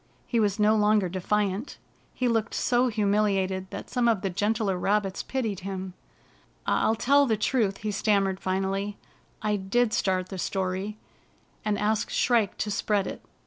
He was no longer defiant. He looked so humiliated that some of the gentler rabbits pitied him. " I'll tell the truth," he stammered finally. " I did start the story, and ask Shrike to spread it.